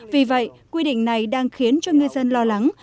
vì vậy quy định này đang khiến cho ngư dân lo lắng